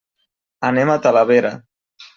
Anem a Talavera.